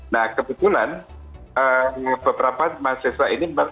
nah kebetulan beberapa mahasiswa ini